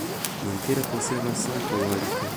Manter a conservação ecológica